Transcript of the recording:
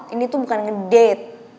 ini tuh bukan ngedate